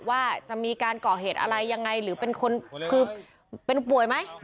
ว่าจะมีการก่อเหตุอะไรยังไงหรือเป็นคนคือเป็นป่วยไหม